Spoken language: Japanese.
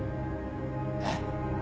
えっ？